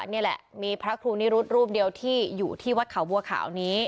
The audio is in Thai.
นี่แหละมีพระครูนิรุธรูปเดียวที่อยู่ที่วัดเขาบัวขาวนี้